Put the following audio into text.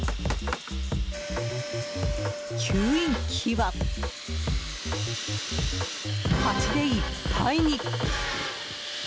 吸引器は、ハチでいっぱいに。